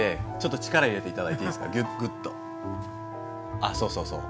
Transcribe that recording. あっそうそうそう。